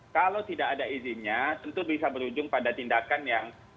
kalau tidak ada izinnya tentu bisa berujung pada tindakan yang